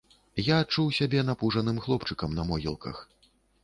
Я адчуў сябе напужаным хлопчыкам на могілках.